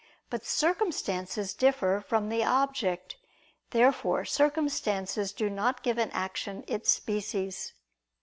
But circumstances differ from the object. Therefore circumstances do not give an action its species.